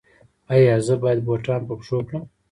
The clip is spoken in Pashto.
ایا زه باید بوټان په پښو کړم؟